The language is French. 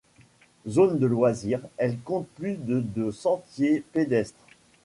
Zone de loisirs, elle compte plus de de sentiers pédestres.